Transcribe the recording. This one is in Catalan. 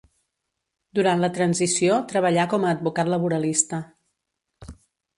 Duran la transició treballà com a advocat laboralista.